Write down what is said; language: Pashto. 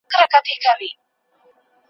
سړي د هغې په دې کار افرین وویل.